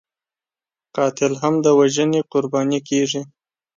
قاتل هم د وژنې قرباني کېږي